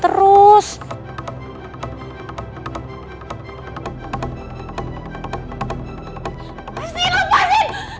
tenang ya mbak ya